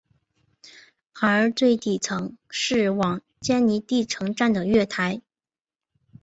而最底层是往坚尼地城站的月台。